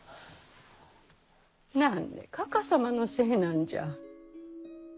何でかか様のせいなんじゃ。